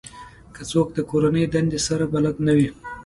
که څوک د کورنۍ دندې سره بلد نه وي